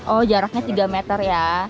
oh jaraknya tiga meter ya